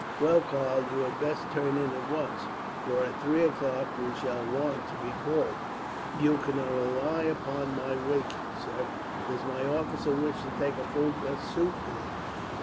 "Well, Karl, you had best turn in at once, for at three o'clock we shall want to be called." "You can rely upon my waking, sir. Does my officer wish to take a full dress suit with him?"